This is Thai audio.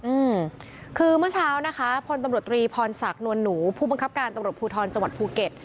อืมคือเมื่อเช้านะคะพลตำรวจตรีพรศักดิ์นวลหนูผู้บังคับการตำรวจภูทรจังหวัดภูเก็ต